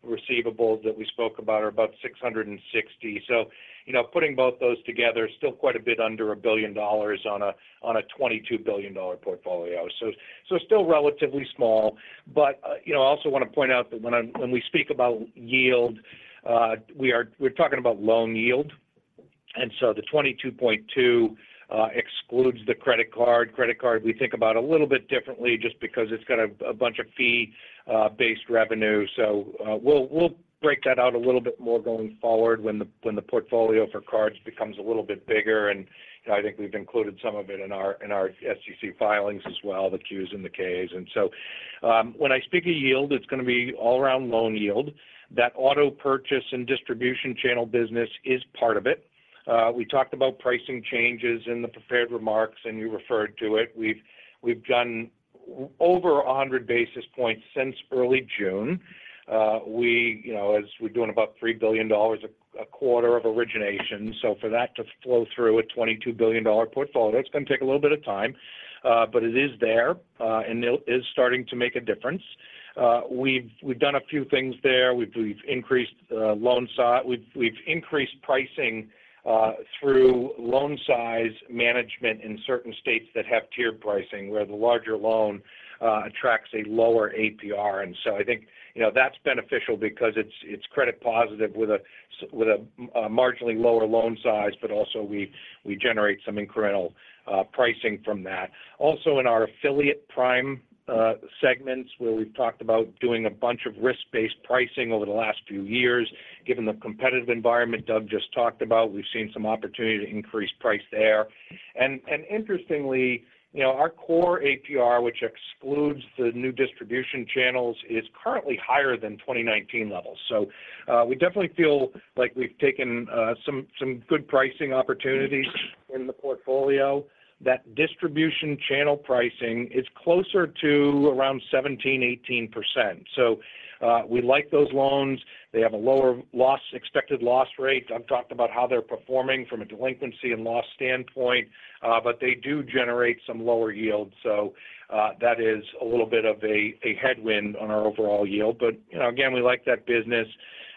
receivables that we spoke about are about $660 million. So, you know, putting both those together, still quite a bit under $1 billion on a $22 billion portfolio. So still relatively small. But, you know, I also want to point out that when we speak about yield, we're talking about loan yield, and so the 22.2% excludes the credit card. Credit card, we think about a little bit differently just because it's got a bunch of fee-based revenue. So, we'll break that out a little bit more going forward when the portfolio for cards becomes a little bit bigger, and I think we've included some of it in our SEC filings as well, the Qs and the Ks. And so, when I speak of yield, it's going to be all around loan yield. That auto purchase and distribution channel business is part of it. We talked about pricing changes in the prepared remarks, and you referred to it. We've done over 100 basis points since early June. We, you know, as we're doing about $3 billion a quarter of origination. So for that to flow through a $22 billion portfolio, it's going to take a little bit of time, but it is there, and it is starting to make a difference. We've done a few things there. We've increased pricing through loan size management in certain states that have tiered pricing, where the larger loan attracts a lower APR. And so I think, you know, that's beneficial because it's credit positive with a marginally lower loan size, but also we generate some incremental pricing from that. Also in our affiliate prime segments, where we've talked about doing a bunch of risk-based pricing over the last few years, given the competitive environment Doug just talked about, we've seen some opportunity to increase price there. And interestingly, you know, our core APR, which excludes the new distribution channels, is currently higher than 2019 levels. So we definitely feel like we've taken some good pricing opportunities in the portfolio. That distribution channel pricing is closer to around 17%-18%. So, we like those loans. They have a lower loss, expected loss rate. I've talked about how they're performing from a delinquency and loss standpoint, but they do generate some lower yields. So, that is a little bit of a, a headwind on our overall yield. But, you know, again, we like that business,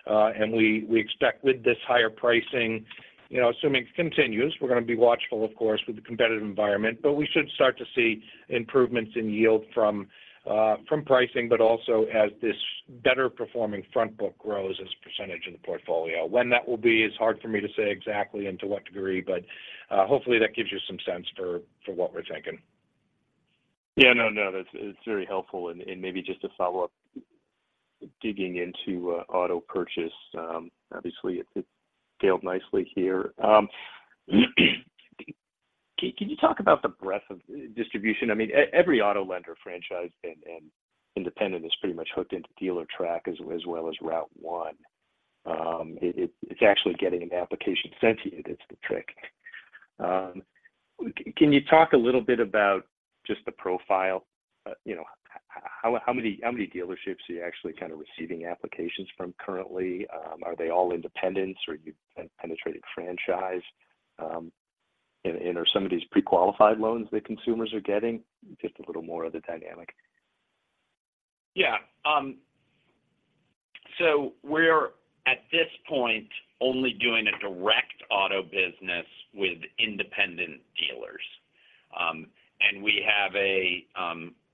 and we, we expect with this higher pricing, you know, assuming it continues, we're going to be watchful, of course, with the competitive environment. But we should start to see improvements in yield from, from pricing, but also as this better performing front book grows as a percentage of the portfolio. When that will be, is hard for me to say exactly and to what degree, but, hopefully, that gives you some sense for, for what we're thinking. Yeah, no, no, that's, it's very helpful. And, and maybe just to follow up, digging into auto purchase, obviously, it, it scaled nicely here. Can you talk about the breadth of distribution? I mean, every auto lender, franchise, and, and independent is pretty much hooked into Dealertrack as, as well as RouteOne. It, it, it's actually getting an application sent to you, that's the trick. Can you talk a little bit about just the profile? You know, how, how many, how many dealerships are you actually kind of receiving applications from currently? Are they all independents, or you penetrated franchise? And, and are some of these pre-qualified loans that consumers are getting? Just a little more of the dynamic. Yeah. So we're, at this point, only doing a direct auto business with independent dealers. And we have a,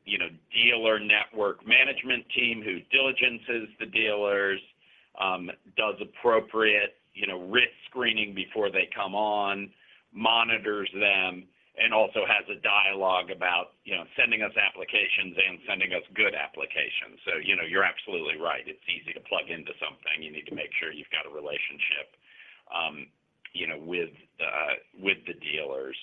you know, dealer network management team who diligences the dealers, does appropriate, you know, risk screening before they come on, monitors them, and also has a dialogue about, you know, sending us applications and sending us good applications. So, you know, you're absolutely right, it's easy to plug into something. You need to make sure you've got a relationship, you know, with the dealers.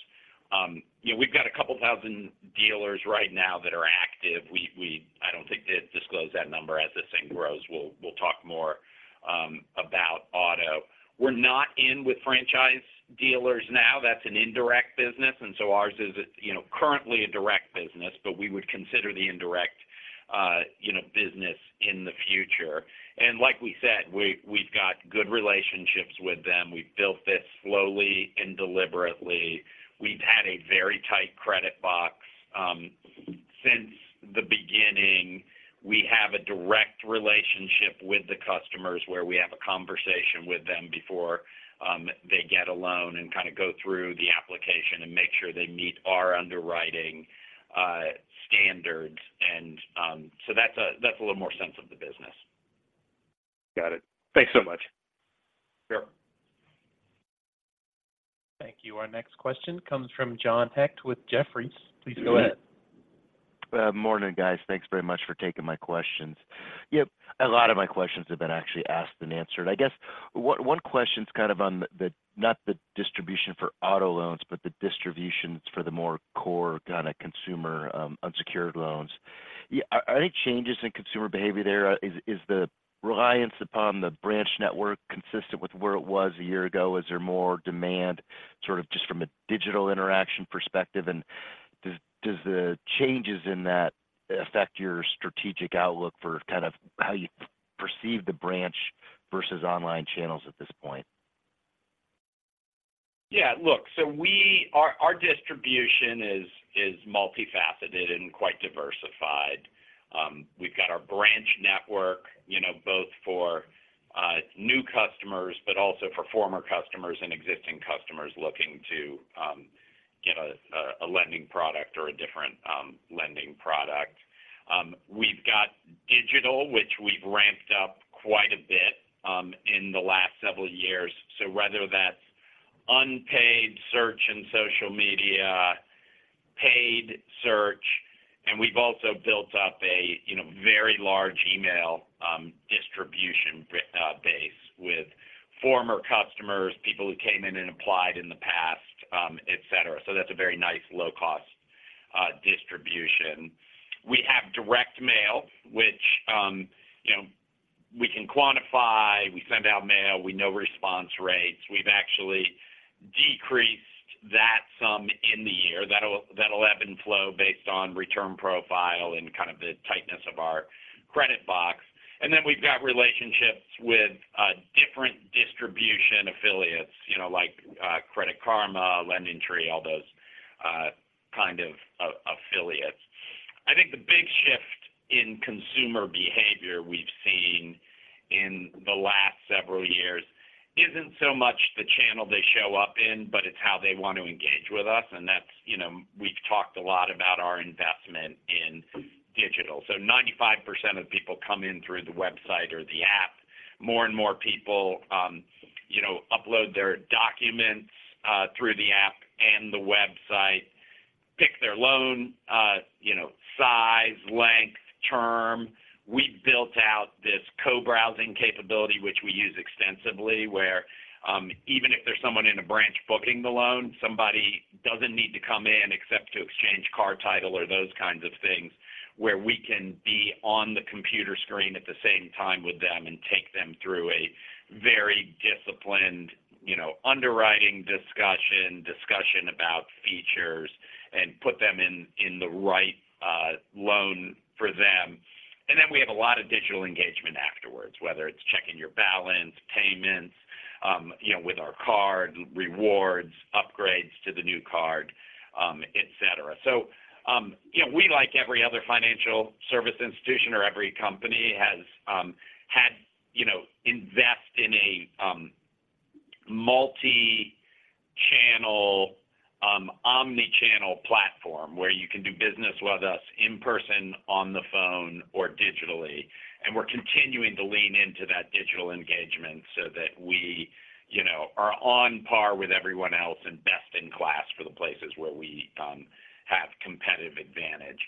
You know, we've got 2,000 dealers right now that are active. I don't think they'd disclose that number. As this thing grows, we'll talk more about auto. We're not in with franchise dealers now. That's an indirect business, and so ours is, you know, currently a direct business, but we would consider the indirect, you know, business in the future. And like we said, we've got good relationships with them. We've built this slowly and deliberately. We've had a very tight credit box since the beginning. We have a direct relationship with the customers, where we have a conversation with them before they get a loan, and kind of go through the application and make sure they meet our underwriting standards. And so that's a little more sense of the business. Got it. Thanks so much. Sure. Thank you. Our next question comes from John Hecht with Jefferies. Please go ahead. Morning, guys. Thanks very much for taking my questions. Yep, a lot of my questions have been actually asked and answered. I guess one question's kind of on the distribution, not the distribution for auto loans, but the distributions for the more core kind of consumer unsecured loans. Yeah, are there changes in consumer behavior there? Is the reliance upon the branch network consistent with where it was a year ago? Is there more demand, sort of just from a digital interaction perspective? And does the changes in that affect your strategic outlook for kind of how you perceive the branch versus online channels at this point? Yeah, look, so our distribution is multifaceted and quite diversified. We've got our branch network, you know, both for new customers, but also for former customers and existing customers looking to get a lending product or a different lending product. We've got digital, which we've ramped up quite a bit in the last several years. So whether that's unpaid search in social media, paid search, and we've also built up a, you know, very large email distribution base with former customers, people who came in and applied in the past, et cetera. So that's a very nice low-cost distribution. We have direct mail, which, you know, we can quantify. We send out mail, we know response rates. We've actually decreased that some in the year. That'll ebb and flow based on return profile and kind of the tightness of our credit box. And then we've got relationships with different distribution affiliates, you know, like Credit Karma, LendingTree, all those kind of affiliates. I think the big shift in consumer behavior we've seen in the last several years isn't so much the channel they show up in, but it's how they want to engage with us, and that's, you know, we've talked a lot about our investment in digital. So 95% of people come in through the website or the app. More and more people, you know, upload their documents through the app and the website, pick their loan, you know, size, length, term. We've built out this co-browsing capability, which we use extensively, where even if there's someone in a branch booking the loan, somebody doesn't need to come in except to exchange car title or those kinds of things, where we can be on the computer screen at the same time with them and take them through a very disciplined, you know, underwriting discussion about features, and put them in the right loan for them. And then we have a lot of digital engagement afterwards, whether it's checking your balance, payments, you know, with our card, rewards, upgrades to the new card, et cetera. So, you know, we, like every other financial service institution or every company, has had, you know, invest in a multi-channel omni-channel platform where you can do business with us in person, on the phone, or digitally. We're continuing to lean into that digital engagement so that we, you know, are on par with everyone else and best in class for the places where we have competitive advantage.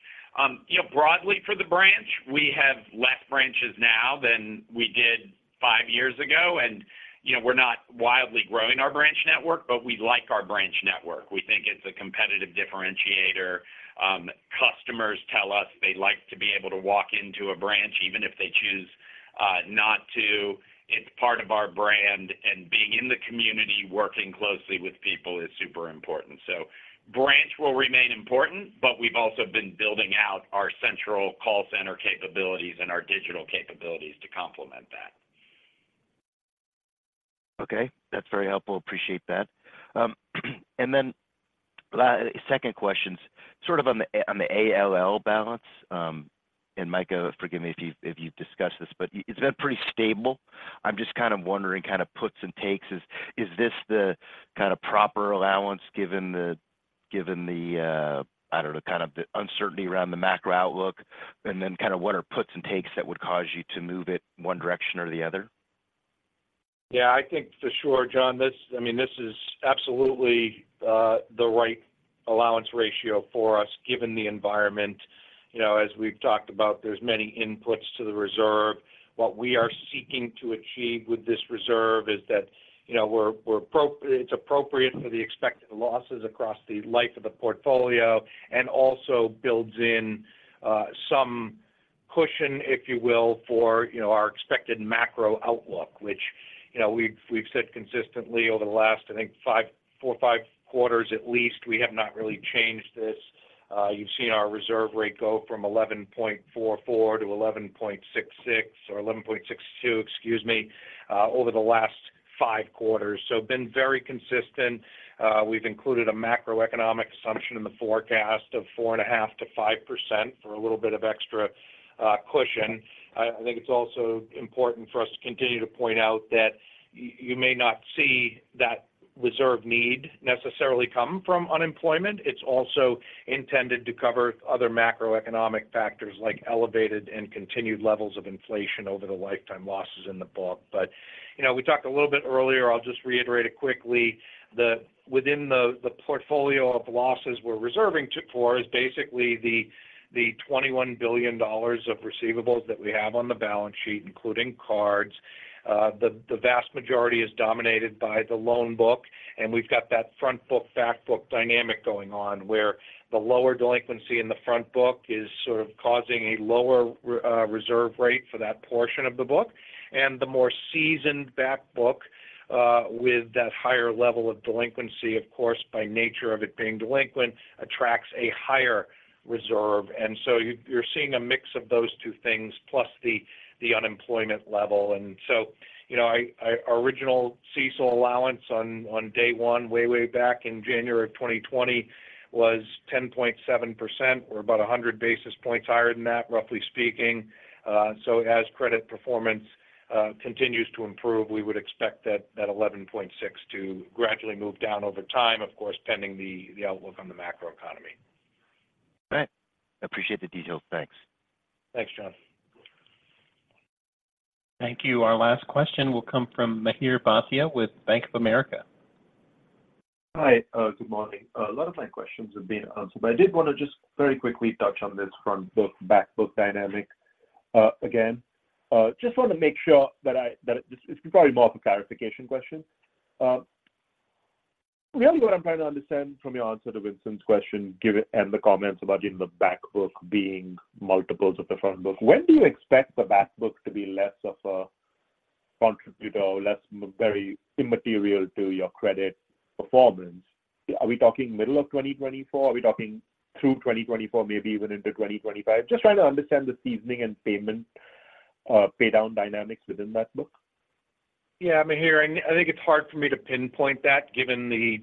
You know, broadly for the branch, we have less branches now than we did five years ago, and, you know, we're not wildly growing our branch network, but we like our branch network. We think it's a competitive differentiator. Customers tell us they like to be able to walk into a branch, even if they choose not to. It's part of our brand, and being in the community, working closely with people is super important. So branch will remain important, but we've also been building out our central call center capabilities and our digital capabilities to complement that. Okay, that's very helpful. Appreciate that. And then last second question's sort of on the, on the ALL balance. And Micah, forgive me if you've, if you've discussed this, but it's been pretty stable. I'm just kind of wondering, kind of puts and takes, is, is this the kind of proper allowance given the, given the, I don't know, kind of the uncertainty around the macro outlook? And then kind of what are puts and takes that would cause you to move it one direction or the other? Yeah, I think for sure, John, this-- I mean, this is absolutely, the right allowance ratio for us, given the environment. You know, as we've talked about, there's many inputs to the reserve. What we are seeking to achieve with this reserve is that, you know, we're, we're-- it's appropriate for the expected losses across the life of the portfolio, and also builds in, some cushion, if you will, for, you know, our expected macro outlook, which, you know, we've, we've said consistently over the last, I think, five-- four, five quarters at least, we have not really changed this. You've seen our reserve rate go from 11.44% to 11.66%, or 11.62%, excuse me, over the last five quarters. So been very consistent. We've included a macroeconomic assumption in the forecast of 4.5%-5% for a little bit of extra cushion. I think it's also important for us to continue to point out that you may not see that reserve need necessarily come from unemployment. It's also intended to cover other macroeconomic factors like elevated and continued levels of inflation over the lifetime losses in the book. But, you know, we talked a little bit earlier. I'll just reiterate it quickly. Within the portfolio of losses we're reserving for is basically the $21 billion of receivables that we have on the balance sheet, including cards. The vast majority is dominated by the loan book, and we've got that front book, back book dynamic going on, where the lower delinquency in the front book is sort of causing a lower reserve rate for that portion of the book. And the more seasoned back book with that higher level of delinquency, of course, by nature of it being delinquent, attracts a higher reserve. And so you're seeing a mix of those two things, plus the unemployment level. And so, you know, our original CECL allowance on day one, way back in January of 2020, was 10.7%, or about 100 basis points higher than that, roughly speaking. As credit performance continues to improve, we would expect that 11.6 to gradually move down over time, of course, pending the outlook on the macroeconomy. Right. Appreciate the details. Thanks. Thanks, John. Thank you. Our last question will come from Mihir Bhatia with Bank of America. Hi, good morning. A lot of my questions have been answered, but I did want to just very quickly touch on this front book, back book dynamic. Again, just want to make sure that it's, it's probably more of a clarification question. Really what I'm trying to understand from your answer to Vincent's question, given and the comments about the back book being multiples of the front book. When do you expect the back book to be less of a contributor or less, very immaterial to your credit performance? Are we talking middle of 2024? Are we talking through 2024, maybe even into 2025? Just trying to understand the seasoning and payment, pay down dynamics within that book. Yeah, Mihir, I think it's hard for me to pinpoint that given the,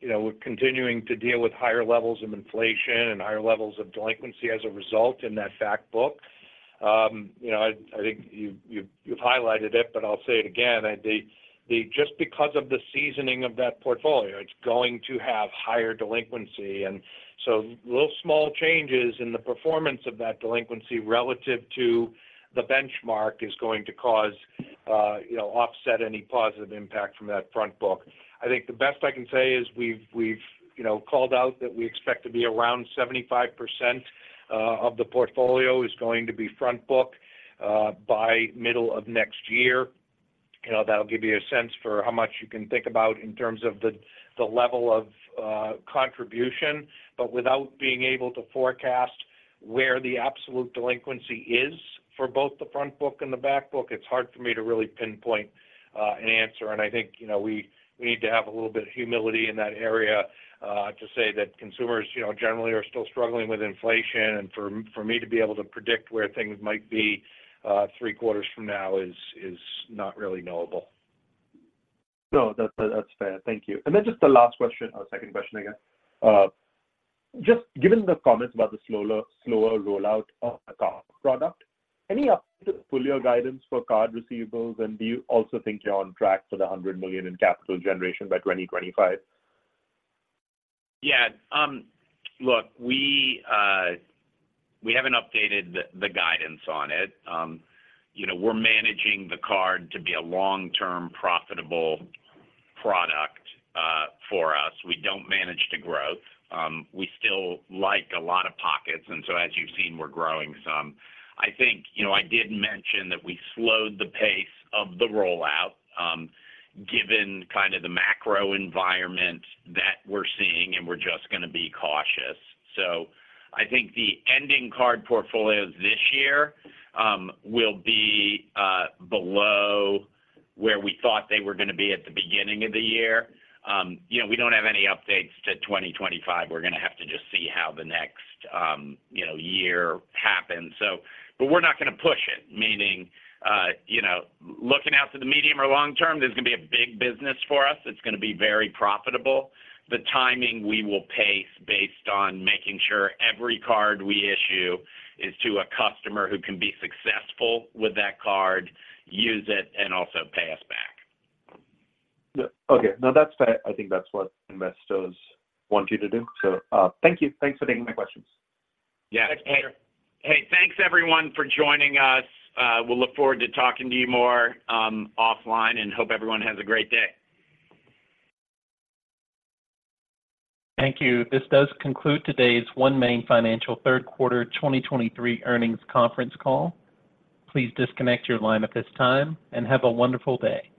you know, we're continuing to deal with higher levels of inflation and higher levels of delinquency as a result in that back book. You know, I think you've highlighted it, but I'll say it again. Just because of the seasoning of that portfolio, it's going to have higher delinquency. And so little small changes in the performance of that delinquency relative to the benchmark is going to cause, you know, offset any positive impact from that front book. I think the best I can say is we've, you know, called out that we expect to be around 75% of the portfolio is going to be front book by middle of next year. You know, that'll give you a sense for how much you can think about in terms of the level of contribution, but without being able to forecast where the absolute delinquency is for both the front book and the back book, it's hard for me to really pinpoint an answer. And I think, you know, we need to have a little bit of humility in that area to say that consumers, you know, generally are still struggling with inflation. And for me to be able to predict where things might be three quarters from now is not really knowable. No, that's, that's fair. Thank you. And then just the last question or second question, I guess. Just given the comments about the slower, slower rollout of the card product, any update to pull your guidance for card receivables, and do you also think you're on track for the $100 million in capital generation by 2025? Yeah, look, we, we haven't updated the, the guidance on it. You know, we're managing the card to be a long-term, profitable product, for us. We don't manage to growth. We still like a lot of pockets, and so as you've seen, we're growing some. I think, you know, I did mention that we slowed the pace of the rollout, given kind of the macro environment that we're seeing, and we're just going to be cautious. So I think the ending card portfolios this year, will be, below where we thought they were going to be at the beginning of the year. You know, we don't have any updates to 2025. We're going to have to just see how the next, you know, year happens. So, but we're not going to push it, meaning, you know, looking out to the medium or long term, this is going to be a big business for us. It's going to be very profitable. The timing we will pace based on making sure every card we issue is to a customer who can be successful with that card, use it, and also pay us back. Yeah. Okay. No, that's fair. I think that's what investors want you to do. So, thank you. Thanks for taking my questions. Yeah. Thanks, Mihir. Hey, thanks everyone for joining us. We'll look forward to talking to you more, offline, and hope everyone has a great day. Thank you. This does conclude today's OneMain Financial third quarter 2023 earnings conference call. Please disconnect your line at this time, and have a wonderful day.